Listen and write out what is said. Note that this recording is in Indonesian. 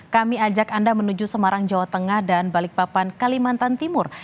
kami ajak anda menuju semarang jawa tengah dan balikpapan kalimantan timur